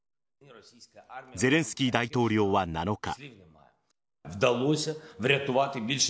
ゼレンスキー大統領は７日。